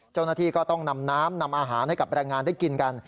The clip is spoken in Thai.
เจ้าหน้าที่ก็ต้องนำน้ำนำอาหารให้กับแรงงานได้กินกัน